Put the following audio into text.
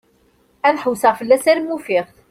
Ad ḥewseɣ fell-as arma ufiɣ-t.